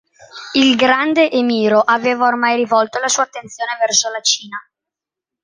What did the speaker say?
Il grande Emiro aveva ormai rivolto la sua attenzione verso la Cina.